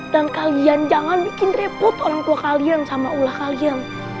dan kalian jangan bikin repot orang tua kalian sama ulah kalian